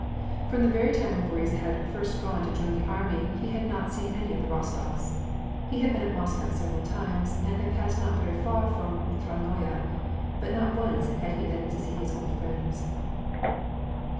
From the very time when Boris had first gone to join the army, he had not s^en any of the Rostofs. He had been at Moscow several times, and had passed not very far from Otrad noye, but not once had he been to see his old friends.